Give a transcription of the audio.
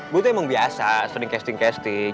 gue tuh emang biasa sering casting casting